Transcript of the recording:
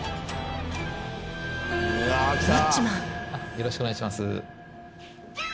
よろしくお願いします。